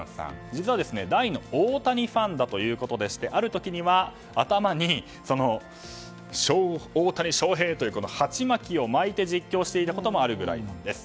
実は大の大谷ファンだということである時は、頭に大谷翔平というはちまきを巻いて実況していたこともあるぐらいなんです。